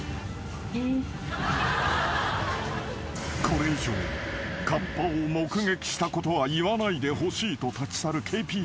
［これ以上カッパを目撃したことは言わないでほしいと立ち去るＫＰＡ］